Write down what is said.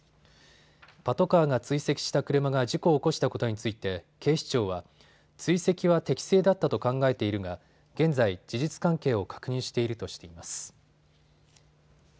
パトカーが追跡した車が事故を起こしたことについて警視庁は追跡は適正だったと考えているが現在、事実関係を確認しているとしています。